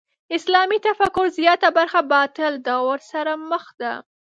اسلامي تفکر زیاته برخه باطل دور سره مخ ده.